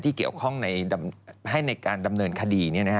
ที่เกี่ยวข้องให้ในการดำเนินคดี